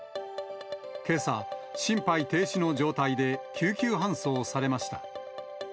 けさ、心肺停止の状態で救急搬送されました。